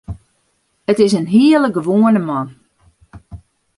It is in hiele gewoane man.